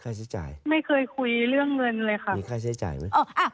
ค่ะค่าใช้จ่ายไม่เคยคุยเรื่องเงินเลยค่ะมีค่าใช้จ่ายไหมอ๋ออ่า